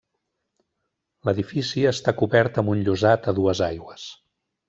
L'edifici està cobert amb un llosat a dues aigües.